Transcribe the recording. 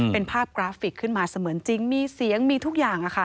เป็นภาพกราฟิกขึ้นมาเสมือนจริงมีเสียงมีทุกอย่าง